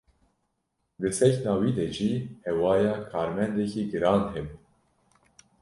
Di sekna wî de jî hewaya karmendekî giran hebû.